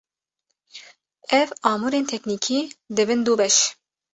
Ev amûrên teknîkî dibin du beş.